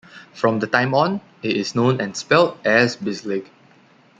From the time on, it is known and spelled as Bislig.